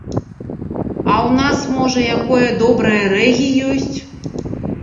А ў нас, можа, якое добрае рэгі ёсць?